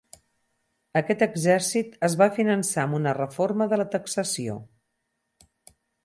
Aquest exèrcit es va finançar amb una reforma de la taxació.